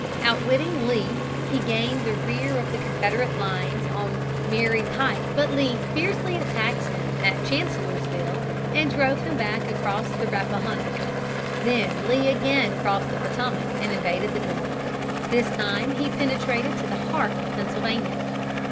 Outwitting Lee, he gained the rear of the Confederate lines on Marye's Heights, But Lee fiercely attacked him at Chancellorsville and drove him back across the Rappahannock. Then Lee again crossed the Potomac and invaded the North. This time he penetrated to the heart of Pennsylvania.